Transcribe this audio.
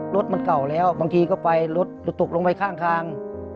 รถมันเก่าแล้วบางทีก็ไปรถจะตกลงไปข้างทาง